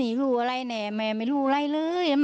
รู้อะไรแน่แม่ไม่รู้อะไรเลย